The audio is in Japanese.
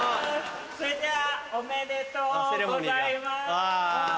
それではおめでとうございます。